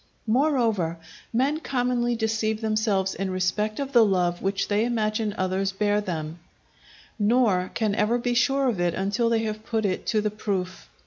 Moreover men commonly deceive themselves in respect of the love which they imagine others bear them, nor can ever be sure of it until they have put it to the proof.